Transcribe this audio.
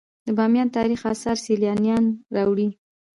د بامیان تاریخي اثار سیلانیان راوړي